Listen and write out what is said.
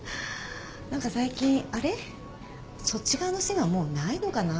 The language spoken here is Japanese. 何か最近「あれ？そっち側の線はもうないのかな？」